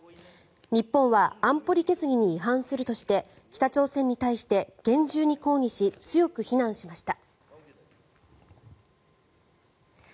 日本は安保理決議に違反するとして北朝鮮に対して厳重に抗議し強く非難しました。